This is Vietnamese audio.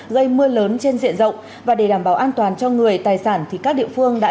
gây mưa lớn trên diện rộng và để đảm bảo an toàn cho người tài sản thì các địa phương đã